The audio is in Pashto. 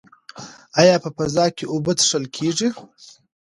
ایا په فضا کې اوبه څښل کیږي؟